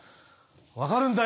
分かるんだよ。